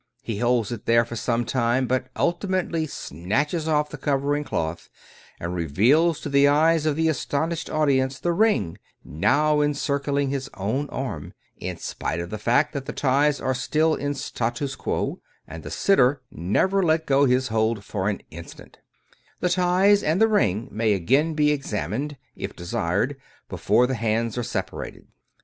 He holds it there for some time, but ultimately snatches off the covering cloth, and reveals to the eyes of the astonished audience the ring — ^now encircling his own arm — ^in spite of the fact that the ties are still in statu quo, and the sitter never let go his hold for an instant/ The ties and the ring may again be examined, if desired, before the hands are separated.